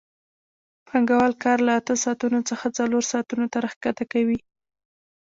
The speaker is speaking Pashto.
پانګوال کار له اته ساعتونو څخه څلور ساعتونو ته راښکته کوي